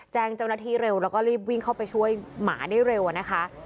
แจ้งเจ้าหน้าที่เร็วแล้วก็รีบวิ่งเข้าไปช่วยหมาได้เร็วนะคะ